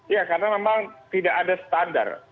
ya karena memang tidak ada standar